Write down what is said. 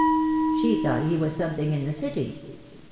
She thought he was something in the City.